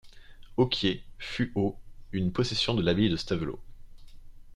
Ocquier fut au une possession de l'abbaye de Stavelot.